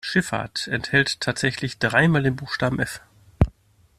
Schifffahrt enthält tatsächlich dreimal den Buchstaben F.